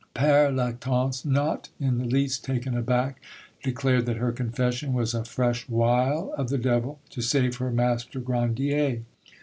Pere Lactance, not in the least taken aback, declared that her confession was a fresh wile of the devil to save her master Grandier.